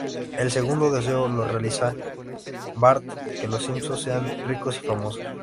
El segundo deseo lo realiza Bart: que los Simpson sean ricos y famosos.